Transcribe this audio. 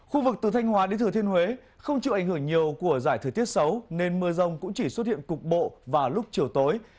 khu vực từ thanh hóa đến thừa thiên huế không chịu ảnh hưởng nhiều của giải thời tiết xấu nên mưa rông cũng chỉ xuất hiện cục bộ vào lúc chiều tối